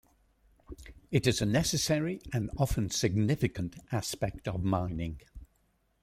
It is a necessary, and often significant, aspect of mining.